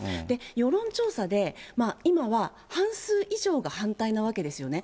世論調査で、今は半数以上が反対なわけですよね。